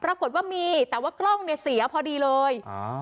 ปรากฏว่ามีแต่ว่ากล้องเนี่ยเสียพอดีเลย